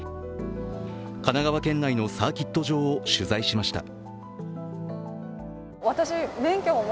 神奈川県内のサーキット場を取材しました。